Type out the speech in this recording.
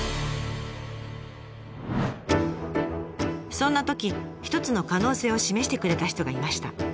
そんなとき一つの可能性を示してくれた人がいました。